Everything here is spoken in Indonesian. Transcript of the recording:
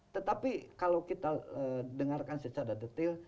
tetapi kalau kita dengarkan secara detail